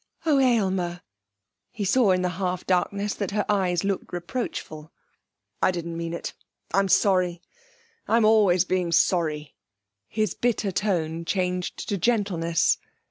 'Oh, Aylmer!' He saw in the half darkness that her eyes looked reproachful. 'I didn't mean it. I'm sorry I'm always being sorry.' His bitter tone changed to gentleness.